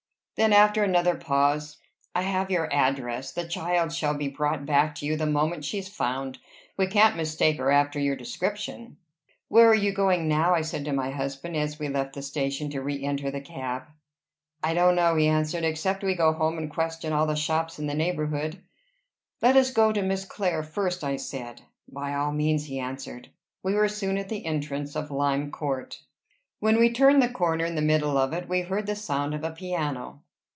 Then after another pause "I have your address. The child shall be brought back to you the moment she's found. We can't mistake her after your description." "Where are you going now?" I said to my husband, as we left the station to re enter the cab. "I don't know," he answered, "except we go home and question all the shops in the neighborhood." "Let us go to Miss Clare first," I said. "By all means," he answered. We were soon at the entrance of Lime Court. When we turned the corner in the middle of it, we heard the sound of a piano.